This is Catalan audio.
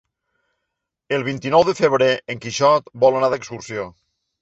El vint-i-nou de febrer en Quixot vol anar d'excursió.